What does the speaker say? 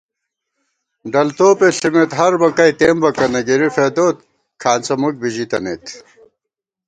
ڈل توپےݪِمېت ہربَکَئ تېمبَکَنہ گِرِی فېدوت کھانڅہ مُک بی ژِتَنَئیت